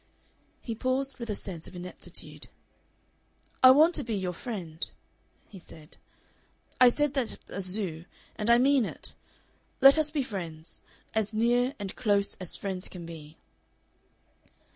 He paused with a sense of ineptitude. "I want to be your friend," he said. "I said that at the Zoo, and I mean it. Let us be friends as near and close as friends can be."